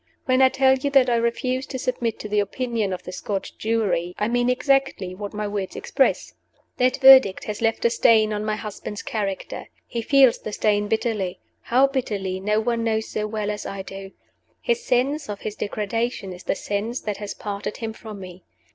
"When I tell you that I refuse to submit to the opinion of the Scotch Jury, I mean exactly what my words express. That verdict has left a stain on my husband's character. He feels the stain bitterly. How bitterly no one knows so well as I do. His sense of his degradation is the sense that has parted him from me.